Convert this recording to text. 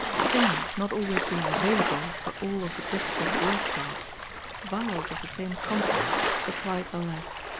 Singers not always being available for all of the difficult voice parts viols of the same compass supplied the lack.